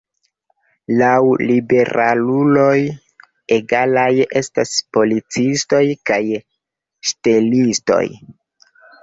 Laŭ liberaluloj, egalaj estas policistoj kaj ŝtelistoj.